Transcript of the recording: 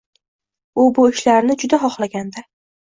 U bu ishlarini juda xohlagandi.